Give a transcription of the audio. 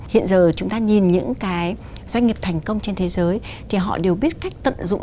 hiện giờ chúng ta nhìn những cái doanh nghiệp thành công trên thế giới thì họ đều biết cách tận dụng